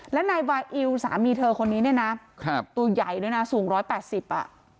และนายบาอิลสามีเธอคนนี้เนี่ยนะครับตัวใหญ่ด้วยนะสูง๑๘๐อ่ะ